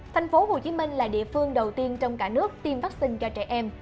thành phố hồ chí minh là địa phương đầu tiên trong cả nước tiêm vaccine cho trẻ em